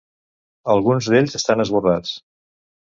Alguns d'ells estan esborrats.